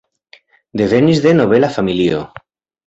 Devenis de nobela familio.